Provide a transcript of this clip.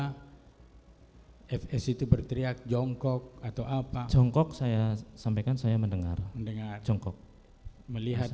hai fs itu berteriak jongkok atau apa jongkok saya sampaikan saya mendengar mendengar jongkok melihat